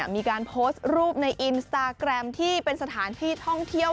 มีการโพสต์รูปในอินสตาแกรมที่เป็นสถานที่ท่องเที่ยว